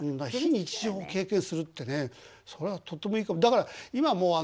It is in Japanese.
非日常を経験するってねそれはとってもいいかも。